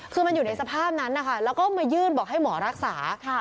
คือมันอยู่ในสภาพนั้นนะคะแล้วก็มายื่นบอกให้หมอรักษา